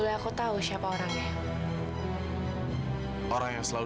dia setia banget sama kamilah